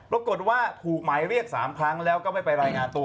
ปรากฏว่าถูกหมายเรียก๓ครั้งแล้วก็ไม่ไปรายงานตัว